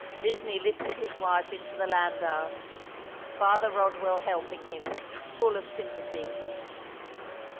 Disney lifted his wife into the landau, Father Eodwell helping him, full of sympathy.